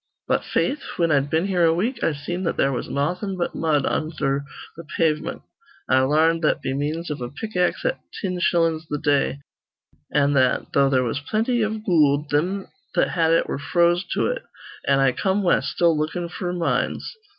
"But, faith, whin I'd been here a week, I seen that there was nawthin' but mud undher th' pavement, I larned that be means iv a pick axe at tin shillin's th' day, an' that, though there was plenty iv goold, thim that had it were froze to it; an' I come west, still lookin' f'r mines.